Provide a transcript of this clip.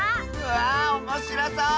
わあおもしろそう！